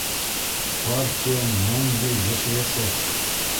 П-партия мәңге йә-йәшәйәсәк!